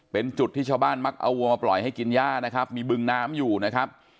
เป็นจุดที่ชาวบ้านมักเอาวัวมาปล่อยให้กินย่านะครับมีบึงน้ำอยู่นะครับ